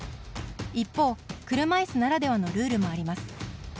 一方、車いすならではのルールもあります。